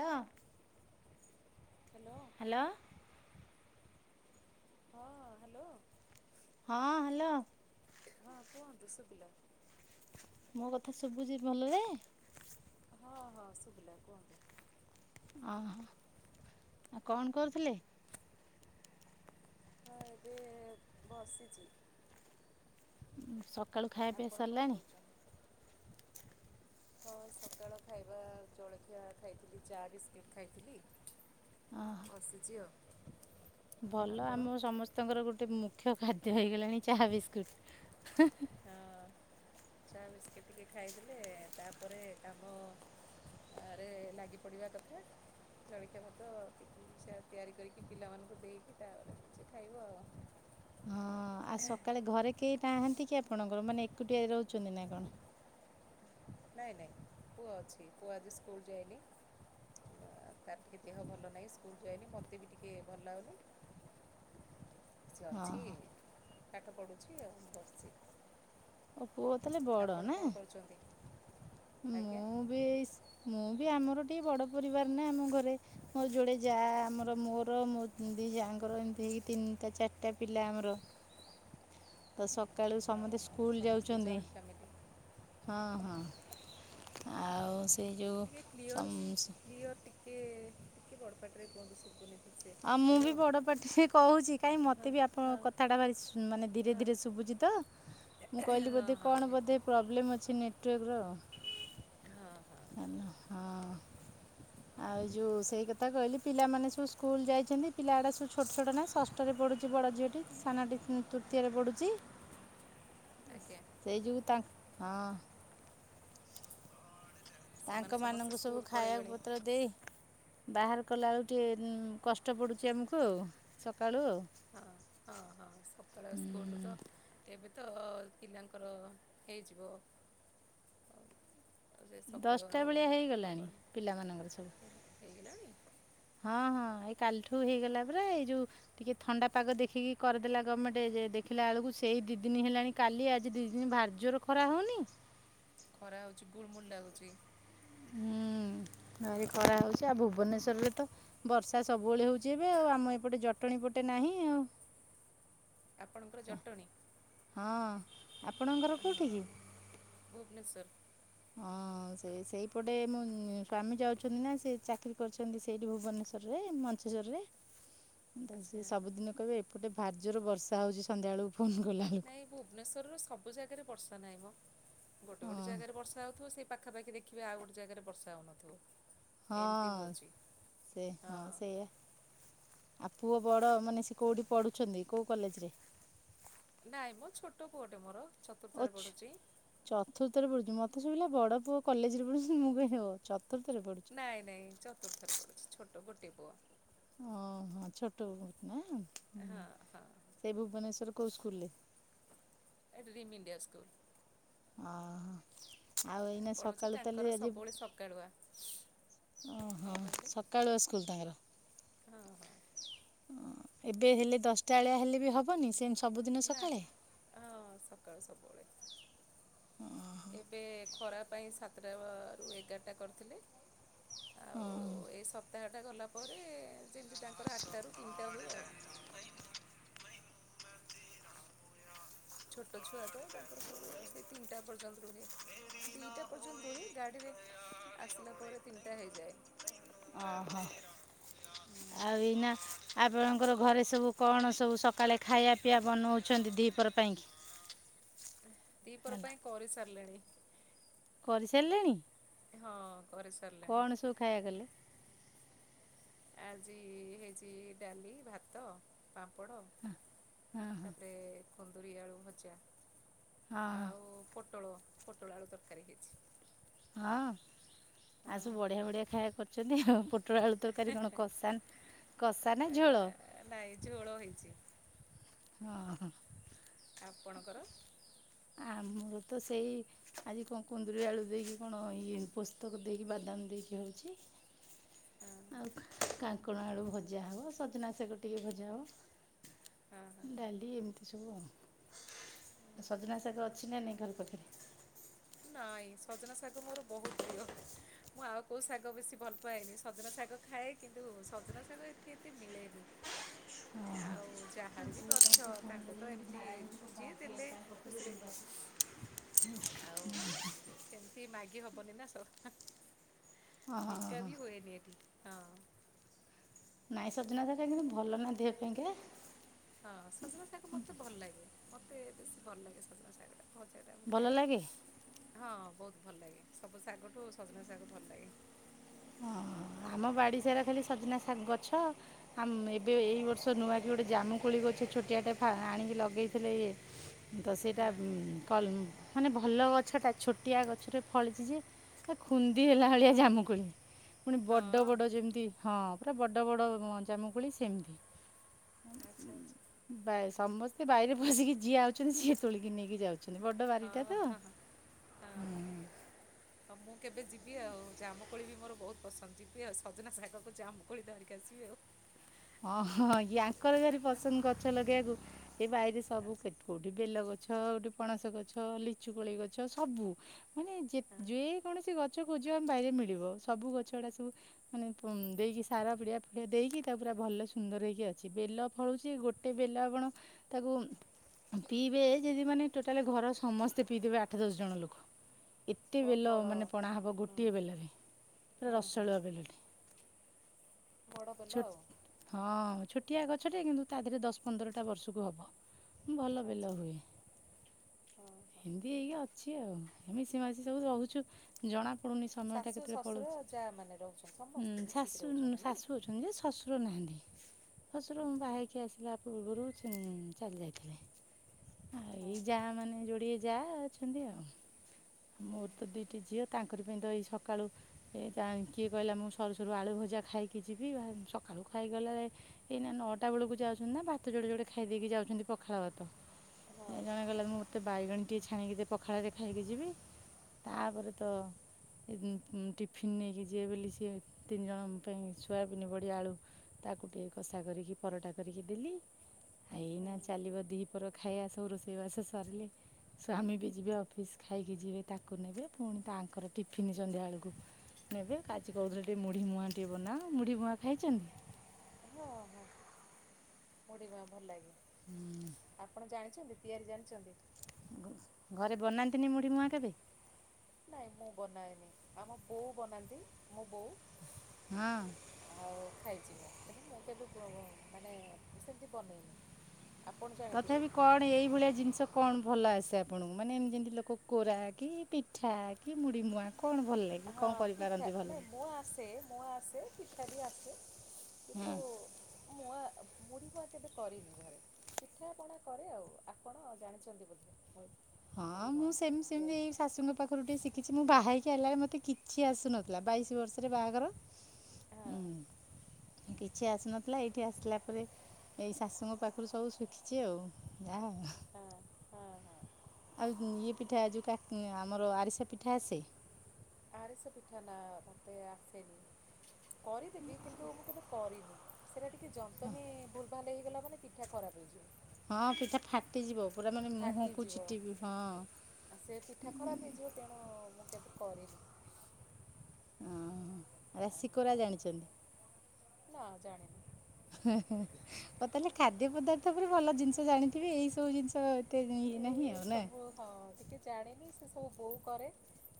Hello. Hello hello. ହଁ hello. ହଁ hello. ହଁ କୁହନ୍ତୁ ସୁବଲା। ମୋ କଥା ଶୁବୁଚି ଭଲରେ? ହଁ ହଁ ଶୁଭିଲା କୁହନ୍ତୁ। ଓହୋ ଆଉ କଣ କରୁଥିଲେ? ହଁ ଏବେ ବସିଛି ସକାଳୁ ଖାଇ ଆପଣ କଣ ପିଇବାସାରିଲାଣି କରୁଛନ୍ତି? ହଁ ସକାଳ ଖାଇବା ଜଳଖିଆ ଖାଇଥିଲି ଚା ବିସ୍କୁିଟ୍ ଖାଇଥିଲି। ଓହୋ ବସିଛି ଆଉ ଭଲ ଆପଣ? ଆମ ସମସ୍ତଙ୍କର ଗୋଟେ ମୁଖ୍ୟ ଖାଦ୍ୟ ହେଇଗଲାଣି ଚାହା ବିସ୍କୁଟ ହଁ ଚା ବିସ୍କିଟ ଟିକେ ଖାଇଦେଲେ ତାପରେ କାମ ଆରେ ଲାଗି ପଡିବା କଥା। ନଳିକି ଭାତ ସେ ତିଆରି କରିକି ପିଲାମାନଙ୍କୁ ଦେଇକି ତାପରେ କିଛି ଖାଇବ ଆଉ ହଁ ଆଉ ସକାଳେ ଘରେ କେହିଟାହାନ୍ତି କି ଆପଣଙ୍କର ମାନେ ଏକୁଟିଆ ରହୁଛନ୍ତି ନା କଣ? ନାଇଁ ନାଇଁ ପୁଅ ଅଛି ପୁଅ ଆଜି ସ୍କୁଲ ଯାଇନି। ତାର ଟିକେ ଦେହ ଭଲ ନାହିଁ ସ୍କୁଲ ଯାଇନି ମୋତେ ବି ଟିକେ ଭଲ ଲାଗୁନି। [inaudible] ସିଏ ପାଠ ପଢୁଛି ଆଉ ମୁଁ ବସିଛି ଓ ପୁଅ ତାହେଲେ ବଡ ଆପଣ ନା କଣ କରୁଛନ୍ତି ଆଜ୍ଞା ମୁଁ ବି ମୁଁ ଆମର ଟିକେ ବଡ ପରିବାର ନା ଆମ ଘରେ ମୋ ଯୋଡେ ଯା ଆମର ମୋର ମୋ ଦି ଯା ଙ୍କର ଏମିତି ହେଇକି ତିନିଟା ଚାରିଟା ପିଲା ଆମର ତ ସକାଳୁ ହଁ ସମତେ ସ୍କୁଲ ସମସ୍ତେ ଯାଉଛନ୍ତି ଜଏଣ୍ଟ ଫ୍ୟାମିଲି ହଁ ହଁ ଆଉ ସେ ଯେଉଁ ଟିକେ କ୍ଲିଅର୍ ସମ ସ କ୍ଲିଅର୍ ଟିକେ ଟିକେ ବଡ଼ପାଟିରେ କୁହନ୍ତୁ ସୁବୁନି ଆଉ ମୁଁ ବି ବଡପାଟିରେ କହୁଛି କାଇହିଁ ହଁ ମତେ ହଁ ବି ହଁ ଆପଣଙ୍କ କଥାଟା ଭାରି ମାନେ ଧୀରେ ହଁ ଧୀରେ ଶୁଭୁଛି। ତ ମୁଁ କହିଲି ବୋଧେ ହଁ କଣ ବୋଧେ ନେଟୱାର୍କ ପ୍ରୋବ୍ଲେମ ଅଛି ନେଟୱାର୍କ ର। ହଁ ହଁ ହାଲୋ ହଁ ଆଉ ଯୋଉ ସେଇ କଥା କହିଲି ପିଲାମାନେ ସବୁ ସ୍କୁଲ ଯାଇଛନ୍ତି ପିଲା ଏଡା ସବୁ ଛୋଟ ଛୋଟ ନା ଷଷ୍ଠରେ ପଡୁଛି ବଡ ଝିଅଟି ସାନାଟି ତୃତୀୟରେ ପଡୁଛି ଆଜ୍ଞା ସେଇ ଯୁଗୁ ତାଙ୍କ ହଁ ସେମାନେ ତାଙ୍କ ସମସ୍ତେ ମାନଙ୍କୁ ସବୁ ସ୍କୁଲ ଖାଇବାକୁ ପଳେଇବେଣି ପତ୍ର ଦେଇ ବାହାର କଲା ବେଳକୁ ଟିକେ ଉକଷ୍ଟ ପଡୁଛି ଆମକୁ ଆଉ ସକାଳୁ ଆଉ ହଁ ହଁ ହଁ ସକାଳେ ସ୍କୁଲ ତ ଏବେ ତ ପିଲାଙ୍କର ହେଇଯିବ ଆଉ ଆଉ ସେ ସକାଳୁ ଦଶଟା ଆଉ ବେଳିଆ ହେଇଗଲାଣି ହେବନି ପିଲାମାନଙ୍କର ସବୁ ହେଇଗଲାଣି? ହଁ ହଁ ଏଇ କାଲିଠୁ ହେଇଗଲା ପରା ଏଇ ଯୋଉ ଟିକେ ଥଣ୍ଡା ପାଗ ଦେଖିକି କରିଦେଲା ଗମେଣ୍ଟ ଯେ ଦେଖିଲା ବେଳକୁ ସେଇ ଦି ଦିନ ହେଲାଣି କାଲି ଆଜି ଦି ଦିନ ଭାରି ଜୋରରେ ଖରା ହଉନି? ଖରା ହଉଛି ଗୁଲୁ ମୁଲୁ ଲାଗୁଛି। ହୁଁ। ରେ ହଁ ଖରା ହଉଛି ଆଉ ଭୁବନେଶ୍ଵରରେ ତ ବର୍ଷା ସବୁବେଳେ ହଉଛି ଏବେ ଆଉ ଆମ ଏପଟେ ଜଟଣୀ ପଟେ ନାହିଁ ଆଉ। ଆପଣଙ୍କର ଜଟଣୀ ହଁ ଆପଣଙ୍କ ଘର କୋଉଠି ହଁ କି? ଭୁବନେଶ୍ୱର। ହଁ ହଁ ସେ ସେଇପଟେ ମୁଁ ସ୍ଵାମୀ ଯାଉଛନ୍ତି ନା ସେ ଚାକିରରି କରିଛନ୍ତି ସେଇଠି ଭୁବନେଶ୍ୱରରେ ମ ବିେଶ୍ୱରରେ ତା ଆଚ୍ଛା ସେ ସବୁଦିନ କହିବେ ଏପଟେ ଭାରି ଜୋରୋରେ ବର୍ଷା ହେଉଛି ସନ୍ଧ୍ୟାବେଳକୁ ଫୋନ୍ କଲାବେଳକୁ ନାଇଁ ଭୁବନେଶ୍ୱର ର ସବୁ ଜାଗାରେ ବର୍ଷା ନାହିଁ ମୋ ଗୋଟେ ଗୋଟେ ହଁ ଜାଗାରେ ବର୍ଷା ହଉଥିବ ସେଇ ପାଖ ପାଖାପଖ ଦେଖିବେ ଆଉ ଗୋଟେ ଜାଗାରେ ବର୍ଷା ହଉନଥିବ। ହଁ ସେ ହଁ ସେଇଆ। ଆଉ ପୁଅ ବଡ଼ ମାନେ ସେ କଉଠି ପଢ଼ୁଛନ୍ତି କେଉଁ କଲେଜରେ? ନାଇଁ ମୋ ଛୋଟ ପୁଅଟେ ମୋର। ଚତୁର୍ଥରେ ଅଛ ପଢ଼ୁଛି ଚତୁର୍ଥ ରେ ପଢୁଛି ମତେ ସବୁା ବଡ ପୁଅ କଲେଜରେ ପଢୁଛନ୍ତି ମୁଁ କହିଲି ଓ ଚତୁର୍ଥରେ ପଢ଼ୁଛି ନାଇଁ ନାଇଁ ଚତୁର୍ଥରେ ପଡୁଛି ଛୋଟ ଗୋଟଏ ପୁଅ। ଓହୋ ଛୋଟ ବହୁତ ନା? ହୁଁ ହଁ ହଁ ସେଇ ଭୁବନେଶ୍ଵର କୋଉ ସ୍କୁଲର? କୁ [unintelligible] ଅହ ଆଉ ଏଇନା ପଢ଼ୁଛି ସକାଳୁ ତାଙ୍କର ତାହେଲେ ଆଜି ସବୁବେଳେ ସକାଳୁଆ ଓହୋ କଣ କହିଲେ ସକାଳୁ ସ୍କୁଲ ତାଙ୍କର ହଁ ହଁ ଏବେ ହେଲେ ଦଶଟା ବଳିଆ ହେଲେ ବି ହବନି ସେ ନା ହଁ ସକାଳୁ ସବୁବେଳେ ଏବେ ଖରା ପାଇଁ ସାତଟାରୁ ଏଗାରଟା କରିଥିଲେ। ହୁଁ। ଆଉ ଏଇ ସପ୍ତାହଟା ଗଲା ପରେ ଯେମିତି ତାଙ୍କର ଆଟା ରୁ ତିନିଟା ହୁଏ ଆଉ। ଛୋଟ ଛୁଆ ତ ତାଙ୍କର ସବୁ ସେ ତିନିଟା ପର୍ଯ୍ୟନ୍ତ ରୁହେ। ଦିଟା ପର୍ଯ୍ୟନ୍ତ ରୁହେ ଗାଡିରେ ଆସିଲା ପରେ ତିନିଟା ହେଇଯାଏ। ଓହୋ ଆ ଏଇନା ଆପଣଙ୍କର ଘରେ ସବୁ କଣ ସବୁ ସକାଳେ ଖାଇବା ପିଇବା ବନଉଛନ୍ତି ଦିଇପର ପାଇଁକି? [inaudible] ଦି ପର ହେଲା ପାଇଁ କରି ସାରିଲିଣି। କରିସାରିଲେଣି? ହଁ କରିସାରିଲିଣୀ। କଣ ସବୁ ଖାଇବା କଲେ ଆଜି ହେଇଛି ଡାଲି ଭାତ ପାମ୍ପଡ଼ ହଁ ହଁ ତାପରେ କୁନ୍ଦୁରି ଆଳୁ ଭଜା। ହଁ ହଁ ଆଉ ପୋଟଳ ପୋଟଳ ଆଳୁ ତରକାରୀ ହେଇଛି। ହଁ ଆଉ ହଁ ସବୁ ବଢିଆ ବଢ଼ିଆ ଖାଇବା କରୁଛନ୍ତି ଆଉ। ଆଳୁ ତରକାରୀ କଣ କଷା କଷା ନା ଝୋଳ? ନାଇଁ ଝୋଳ ହେଇଛି। ହଁ ହୋ ଆପଣଙ୍କର ଆମର ତ ସେଇ ଆଜି କଣ କୁନ୍ଦୁରି ଆଳୁ ଦେଇକି କଣ ଇଏ ପୋସ୍ତକ ଦେଇକି ବାଦାମ ଦେଇି ସେଇଠି ହଁ ହେଉଛି ଆଉ କାଙ୍କଣ ଆଳୁ ଭଜା ହବ ସଜନାଶାଗ ଟିକେ ଭଜା ହଁ ହବ। ହଁ ଡାଲି ଏମିତି ସବୁ ଆ ସଜନା ସାାଗର ଅଛି ନା ନାାଇଁ ଘର ପଖରେ ନାଇଁ ସଜନା ଶାଗ ମୋର ବହୁତ ପ୍ରିୟ ମୁଁ ଆଉ କୋଉ ଶାଗ ବେଶୀ ଭଲ ପାଏନି ସଜନା ଶାଗ ଖାଏ କିନ୍ତୁ ସଜନା ଶାଗ ଏଠି ଏତେ ମିଳେନି ଆଉ ଯାହାର ବି ଗଛ ତାଙ୍କୁ ତ ଏମତି ଯିଏ ଦେଲେ ଖୁସିରେ ଆଉ ସେମିତି ମାଗ ହବନି ନା ସ ବିକା ବି ହୁଏନି ଏଠି ହଁ ନାଇଁ ସଜନା କା କିନ୍ତୁ ଭଲ ନା ଦେହ ପାଇଁକା ହଁ ସଜନା ଶାଗ ମତେ ଭଲ ଲାଗେ ମତେ ବେଶୀ ଭଲ ଲାଗେ ସଜନା ଶାଗ ଟା ଭଜଟା ଭଲ ଖାଏ ଲାଗେ ହଁ ବହୁତ ଭଲ ଲାଗେ ସବୁ ଶାଗଠୁ ସଜନା ଶାଗ ଭଲ ଲାଗେ ହଁ ଆମ ବାଡିଶାର ଖାଲି ସଜନା ଶାଗ ଗଛ ଏବେ ଏଇ ବର୍ଷ ନୂଆ କି ଗୋଟେ ଜାମୁକୋଳି ଗ କିଛ ଛୋଟିଆଟେ ଆଣିକି ଲଗେଇଥିଲେ ଇଏ ତ ସେଇଟା ହଁ। ମାନେ ଭଲ ଗଛ ଟା ଛୋଟିଆ ଗଛରେ ଫଳିଛି ଯେ ସେ ଖୁନ୍ଦି ହେଲା ଭଳିଆ ଜାମୁକୁୋଳି ପୁଣି ହଁ ବଡ଼ ବଡ଼ ଯେମିତି ହଁ ପୁରା ବଡ଼ ବଡ଼ ଜାମୁକୁୋଳି ଆଚ୍ଛା ସେମିତି ଆଚ୍ଛା ସମସ୍ତେ ବାହରେ ବସିକି ଯିଏ ଆାଉଛନ୍ତି ସିଏ ତୋଳିକି ନେଇକି ଯାଉଛନ୍ତି ଅଛନ୍ତି ବଡ ହଁ ବାରିଟା ହଁ ତଁ ହଁ ହଁ ହଁ ମୁଁ କେବେ ଯିବି ଆଉ ଜାମୁକୋଳି ବି ମୋର ବହୁତ ପସନ୍ଦ ଯିବି ଆଉ ସଜନା ଶାଗକୁ ଜାମୁକୋଳି ଧରିକି ଆସିବି ଆଉ ହଁ ହଁ ୟାଙ୍କରାରି ପସନ୍ଦ ଗଛ ଲଗେଇବାକୁ ଏ ବ ସବୁ ଆଚ୍ଛା କେତେ କୋଉଠି ବେଲଗଛି ଗଛ ଗୋଠେ ପଣସ ଗଛ ଲିଚୁ କୋଳି ଗଛ ସବୁ ମାନେ ଯେ ହଁ ଯେ କୌଣସି ଗଛ କ ଜନ ବାରେ ମିଳିବ ସବୁ ଗଛ ଗୁଡା ସବୁ ମାନେ ଦେଇକି ସାର ପିଡିଆ ଫିଡିଆ ଦେଇକି ତାକୁ ପୁରା ଭଲ ସୁନ୍ଦର ହେଇକି ଅଛି ବେଲ ଫଳୁଛି ଗୋଟେ ବେଲ ଆପଣ ତାକୁ ପିଇବେ ଯଦି ମାନେ ଟୋଟାଲ ଘର ସମସ୍ତେ ପିଇଦେବେ ଆଠ ଦଶ ଜଣ ଲୋକ। ଏତେ ବହୁତ ବେଲ ବଡ଼ ମାନେ ପଣା ହବ ହୁଁ ଗୋଟିଏ ବେଲରେ ପୁରା ହୁଁ ରସଳୁଆ ବେଲରେ। ବଡ ବେଲ ଆଉ। ହଁ ଛୋଟିଆ ଗଛଟେ କିନ୍ତୁ ତା ଦେହରେ ଦଶ ପନ୍ଦରଟା ବର୍ଷକୁ ହବ। ଭଲ ବେଲ ଆଚ୍ଛା ହୁଏ ହଁ ହଁ। ହିନ୍ଦୀ ଏଇ ଅଛି ଆଇ ମିଶି ମାସି ସବୁ ରହୁଛୁ ଜଣା ନି ସମୟଟା ଶାଶୁ କେତେଳେ ଶ୍ୱଶୁର ପଳଛି ଯା ମାନେ ରହୁଛନ୍ତି ସମସ୍ତେ ଶା ମିଶିକି ରହୁଛନ୍ତି ଶାଶୁ ଅଛନ୍ତି ଶ ଶଶୁର ମୁ ନାଇଁ? ବାହ ହେଇକି ଆସିଲା ପୂର୍ବରୁ ଚାଲି ଯାଇଥିଲେ। ଆଉ ହଁ ଏଇ ଯା ମାନେ ଯୋଡିଏ ଯା ଅଛନ୍ତି ଆଉ ହଁ ମୋର ତ ଦିଟି ଝିଅ ତାଙ୍କରି ପାଇଁ ତ ଏଇ ସକାଳୁ କିଏ କହିଲା ମୁଁ ସରୁ ସରୁ ଆଳୁ ଭଜା ଖାଇକି ଯିବି ସକାଳୁ ଖାଇଗଲା ଏଇନା ନଅଟା ବେଳକୁ ଯାଉଛନ୍ତି ନା ଭାତ ଯୋଡେ ଯୋଡେ ଖାଇ ଦେଇେଇକି ଯାଉଛନ୍ତି ପଖାଳ ଭାତ। ହଁ ଜଣ କଲା ମୁଁ ମୋତେ ବାଇଗଣ ଟିକେ ଛାଣିକି ପଖାଳରେ ଖାଇକି ଯିବି। ତାପରେ ତ ଟିଫିନ ନେଇକି ଯିଏ ବୋଲି ସିଏ ତିନି ଜଣଙ୍କ ପାଇଁ ସୋୟାବିନ୍ ବଢି ଆଳୁ ତାକୁ ଟିକେ କଷା କରିକି ପରଟା କରିକି ଦେଲି ଏଇନା ଚାଲିବ ଦି ଖାଇବା ସବୁ ରୋଷେଇବାସ ସରିଲେ ସ୍ଵାମୀ ବି ଯିବେ ଅଫିସ ଖାଇକି ଯିବେ ତାକୁ ନେବେ ପୁଣି ତାଙ୍କର ଟିଫିନ ସନ୍ଧ୍ୟା ବେଳକୁ ନେବେ ଆଜି କହୁଥିଲେ ଟିକେ ମୁଢି ମୁହାଁ ଟିକେ ବନାଅ ମୁଢି ମୁହାଁ ଖାଇଛନ୍ତି। ହଁ ହଁ ମୁଢି ମୁହାଁ ଭଲ ଲାଗେ ଆପଣ ଜାଣିଛନ୍ତି। ତିଆରି ଜାଣିଛନ୍ତି? ଘରେ ବନାନ୍ତିନି ମୁଢି ମୁହାଁ କେବେ? ନାଇଁ ମୁଁ ବନାଏନି ଆମ ବୋଉ ବନାନ୍ତି ମୋ ବୋଉ ହଁ। ଆଉ ଖାଇଛି ମୁଁ କେବେ ମୁଁ କେବେ ମାନେ ସେମିତି ବନେଇନି। ଆପଣ ଜାଣିଥିବେ ତଥାପି କଣ ଏଇଭଳିଆ ଜିନିଷ କଣ ଭଲ ଆସି ଆପଣଙ୍କୁ ମାନେ ଏମତି ଯେମିତି ଲୋକ କୋରା କି ପିଠା କି ମୁଢ଼ ମୁଆଁ ହଁ ପିଠା ନାଁ ମୋ ଆସେ ମୋ ସେ ପିଠାବି ଆସେ କିନ୍ତୁ ମ ହଁ [inaudible] କେବେ କରିନି ଘରେ ପିଠାପଣା କରେ ଆଉ ଆପଣ ଜାଣିଛନ୍ତି ବୋଧେ। ମୁଢ଼ି ହଁ ମୁଁ ମୁଆଁ ସେମିତି ସେମିତି ତିଆରି ଏଇ ଶାଶୁଙ୍କ ପାଖରୁ ଟିକେ ଶିଖିଛି ମୁଁ ବାହା ହେଇକି ହେଲା ମତେ କି କିଛି ଆସୁନଥିଲା ବାଇଶି ବର୍ଷରେ ବାହାଘର ହଁ। ଉଁ କିଛି ଆସିନଥିଲା ଏଇଠି ଆସିଲା ପରେ ଏଇ ଶାଶୁଙ୍କ ପାଖରୁ ସବୁ ଶିଖିଛି ଆଉ ଯାହା। ହଁ ହଁ ହଁ। ଆଉ ଇଏ ପିଠା ଯଉ ଆମର ଆରିସା ପିଠା ଆସେ। ଆରିସା ପିଠା ନା ମତେ ଆସେନି କରିଦେବି କିନ୍ତୁ ମୁଁ କେବେ କରିନି ସେଇଟା ଟିକେ ଯନ୍ତନୀ ଭୁଲ ଭାଲ୍ ହେଇଗଲା ମାନେ ପିଠା ଖରାପ ହେଇଯିବ। ହଁ ପିଠା ଫା ଫାଟିଯିବ ପୁରା ମାନେ ମୁହଁକୁ ଫାଟିଯିବ। ଛିଟିବି ହଁ ଆଉ ସେ ପିଠା ଖରାପ ହେଇଯିବ ତେଣୁ ମୁଁ କେବେ କରିନି। ହଁ ଆ ରାଶିକୋରା ଜାଣିଛନ୍ତି? ହଁ ଜାଣେ। ହଉ ତାହେଲେ ଖାଦ୍ୟ ପଦାର୍ଥ ଉପରେ ଭଲ ଜିନିଷ ଜାଣିଥିବେ ଏଇ ସବୁ ଜିନିଷ ଏତେ ଇଏ ଏ ନାହିଁ ଆଉ ନା ସବୁ ହଁ ଟିକେ ଜାଣିନି ସେ ହଁ ବୋଉ କରେ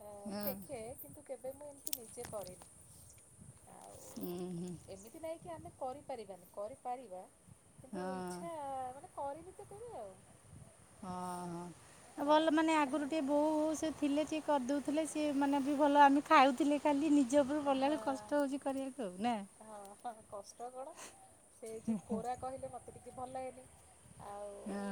ମୁଁ ଦେଖେ କିନ୍ତୁ କେବେ ମୁଁ ଏମିତି ନିଜେ କରେନି। ଆଉ ହଁ ଏମିତି ନାହିଁ କି ଆମେ କରିପାରିବାନି କରିପାରିବା। କିନ୍ତୁ ହଁ ଇଚ୍ଛା ମାନେ କରିବି ତ କେବେ ଆଉ। ହଁ ହଁ ଭଲ ମାନେ ଆଗରୁ ଟିକେ ବୋଉ ସେ ଥିଲେ ସେ କରିଦଉଥିଲେ ସିଏ ମାନେ ବି ଭଲ ଆମେ ଖାଉଥିଲେ ଖାଲି ନିଜ ଉପରୁ ପଡିଲା ବେଳକୁ ହଁ କଷ୍ଟ ହଉଛି କରିବାକୁ ଆଉ ନା। ହଁ ହଁ କଷ୍ଟ କଣ ସେ ଯୋଉ କୋରା କହିଲେ, ମତେ ଟିକେ ଭଲ ଲାଗେନି। ଆଉ, ଅଁ,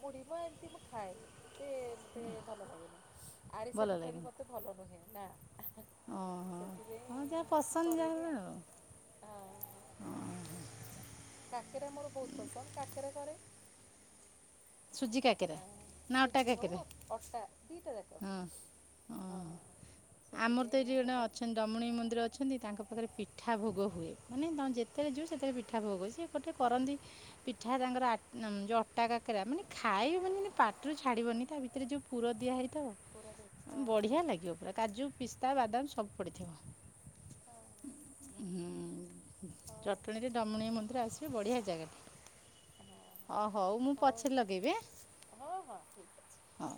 ମୁଢି ମୂଆଁ ଏମିତି ମୁଁ ଖାଏ। ତେ ମତେ ଭଲ ଲାଗେନି। ଭଲ ଆରିସା ପିଠା ଲାଗେ ବି ମତେ ଭଲ ନୁହେଁ ନା। ଓହୋ ହଁ ସେଥିପାଇଁ ଯାହା ପସନ୍ଦ ଯାହା କରେନି ଆଉ। ହଁ ହଁ। କାକେରା ମୋର ବହୁତ ପସନ୍ଦ, କାକେରା କରେ। ସୁଜି କାକେରା। ଆ ନା ଅଟା ସୁଜି କାକେରା ହଉ ଅଟା ଦିଟା ଯାକ। ହଁ ହଁ। ଆମର ତ ଏଠି ସେଥିପାଇଁ ଜଣେ ସେଟା ଅଛନ୍ତି। ଡ଼ମଣୀ ମନ୍ଦିର ଅଛନ୍ତି ତାଙ୍କ ପାଖରେ ପିଠା ଭୋଗ ହୁଏ। ମାନେ ତମେ ଯେତ ତେଳେଯିବ ସେତେବେଳେ ପିଠା ଭୋଗ ସେ ଗୋଟେ କରନ୍ତି ପିଠା ତାଙ୍କର ଆ ଯଉଁ ଅଟା କା କାରା ମାନେ ଖାଇବୁନି ଜିନି ପାଟିରୁ ଛାଡିବନି ତା ଭିତରେ ଯୋଉ ପୁର ଦିଆହେଇ ତ ପୁରା ହଁ ହଁ ହଁ ବଢିଆ ଲାଗିବ ପୁରା କାଜୁ, ପିସ୍ତା, ବାଦାମ ସବୁ ପଡିଥିବ। ହଁ ହୁଁ ହୁଁ, ହଉ ଜଟଣୀରେ ଡମଣୀଆ ମନ୍ଦିର ଆସିବେ ବଢ଼ିଆ ଜାଗାଟା। ହଁ ହଉ ହଉ ମୁଁ ପଛରେ ଲଗେଇବି। ହଁ ହଁ ଠିକ୍ ଅଛି ହଉ।